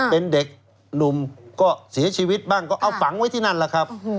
เป็นเด็กหนุ่มก็เสียชีวิตบ้างก็เอาฝังไว้ที่นั่นแหละครับ